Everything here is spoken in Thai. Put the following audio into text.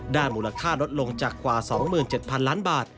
มูลค่าลดลงจากกว่า๒๗๐๐ล้านบาท